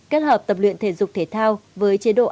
kết hợp tập luyện thể dục thể thao với chế độ